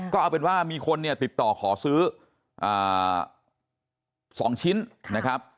ก็เอาเป็นว่ามีคนเนี่ยติดต่อขอซื้อ๒ชิ้นนะครับ